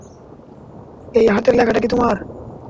এই হাতের লেখাটা কি তোমার?